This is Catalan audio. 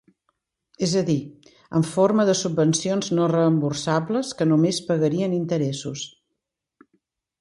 És a dir, en forma de subvencions no reemborsables que només pagarien interessos.